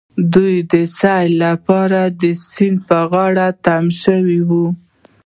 دوی د سيل لپاره د سيند په غاړه تم شوي وو.